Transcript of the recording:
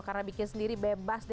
karena bikin sendiri bebas